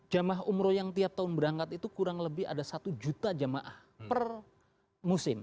jamaah umroh yang tiap tahun berangkat itu kurang lebih ada satu juta jamaah per musim